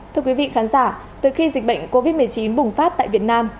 thưa quý vị khán giả từ khi dịch bệnh covid một mươi chín bùng phát tại việt nam